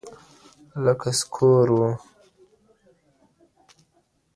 لکه سکور وو